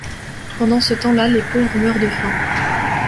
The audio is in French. Pendant ce temps-là les pauvres meurent de faim.